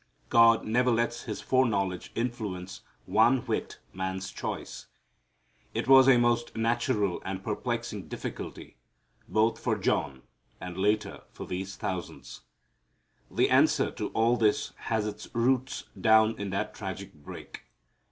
God never lets His foreknowledge influence one whit man's choice. It was a most natural and perplexing difficulty, both for John and later for these thousands. The answer to all this has its roots down in that tragic break.